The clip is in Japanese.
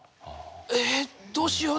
えっどうしよう？